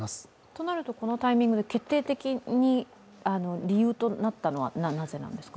となると、このタイミングで決定的に理由となったのはなぜなんですか？